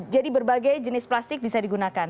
jadi berbagai jenis plastik bisa digunakan